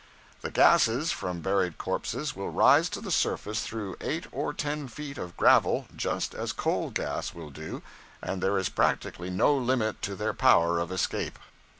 'The gases (from buried corpses) will rise to the surface through eight or ten feet of gravel, just as coal gas will do, and there is practically no limit to their power of escape.